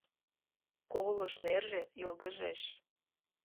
Колош нерже йылгыжеш.